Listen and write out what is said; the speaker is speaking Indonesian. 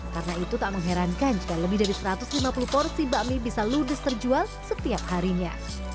karena itu tak mengherankan jika lebih dari satu ratus lima puluh porsi bakmi bisa ludis terjual setiap harinya